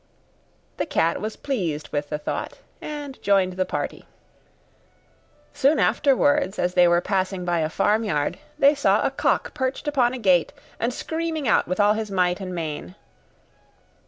The cat was pleased with the thought, and joined the party. Soon afterwards, as they were passing by a farmyard, they saw a cock perched upon a gate, and screaming out with all his might and main.